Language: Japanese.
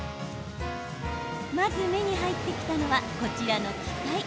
まず目に入ってきたのはこちらの機械。